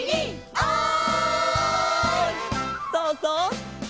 「おい！」